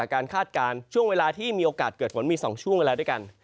คาดการณ์ช่วงเวลาที่มีโอกาสเกิดฝนมี๒ช่วงเวลาด้วยกัน